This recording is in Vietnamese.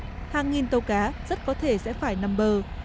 trong lộng hàng nghìn tàu cá rất có thể sẽ phải nằm bờ